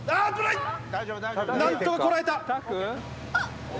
なんとかこらえた。